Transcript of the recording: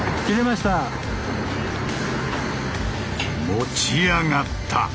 持ち上がった。